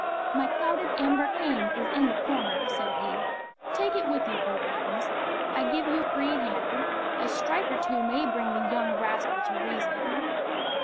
"My clouded amber cane is in the corner," said he. "Take it with you, Perkins. I give you a free hand. A stripe or two may bring the young rascal to reason."